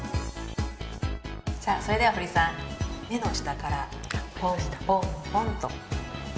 それでは堀さん目の下からポンポンポンと。